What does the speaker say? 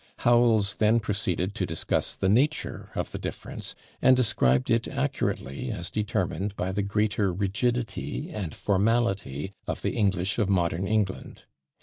" Howells then proceeded to discuss the nature of the difference, and described it accurately as determined by the greater rigidity and formality of the English of modern England.